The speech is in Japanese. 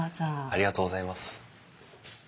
ありがとうございます。